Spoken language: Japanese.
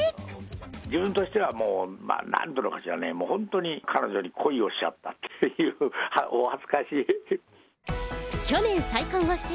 自分としてはもう、なんというのかしらね、もう本当に彼女に恋をしちゃったっていう、お恥ずかしい。